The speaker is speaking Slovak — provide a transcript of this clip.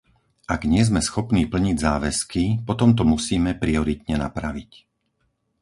Ak nie sme schopní plniť záväzky, potom to musíme prioritne napraviť.